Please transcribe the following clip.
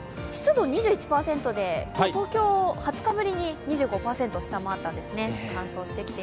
湿度２１％で今日、東京２０日ぶりに２５％を下回ったんですね。